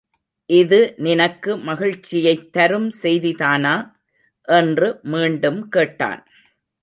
இது நினக்கு மகிழ்ச்சியைத் தரும் செய்திதானா? என்று மீண்டும் கேட்டான்.